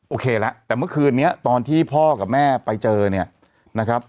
โอเคแล้วแต่เมื่อคืนนี้ตอนที่พ่อกับแม่ไปเจอเนี่ยนะครับ